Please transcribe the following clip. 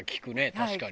確かに。